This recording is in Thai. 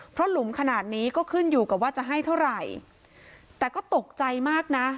เพราะหลุมขนาดนี้ก็ขึ้นอยู่กับว่าจะให้เท่าไหร่แต่ก็ตกใจมากนะ